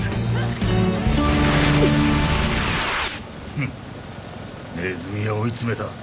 フッネズミは追い詰めた。